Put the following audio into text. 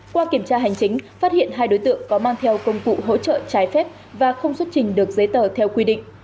qua kiểm tra hành chính phát hiện hai đối tượng có mang theo công cụ hỗ trợ trái phép và không xuất trình được giấy tờ theo quy định